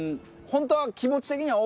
本当は気持ち的には。